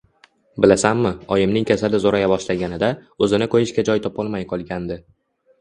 Bilasanmi, oyimning kasali zo`raya boshlaganida, o`zini qo`yishga joy topolmay qolgandi